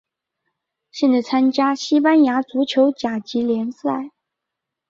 现在参加西班牙足球甲级联赛。